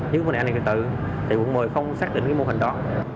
nhưng quận một mươi tp hcm thì quận một mươi tp hcm không xác định mô hình đó